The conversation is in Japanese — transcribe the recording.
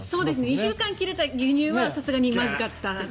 ２週間切れた牛乳はさすがにまずかった。